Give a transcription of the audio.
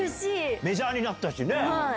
メジャーになったしね。